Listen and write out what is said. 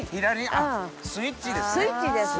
あっスイッチですね。